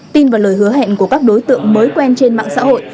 tin vào lời hứa hẹn của các đối tượng mới quen trên mạng xã hội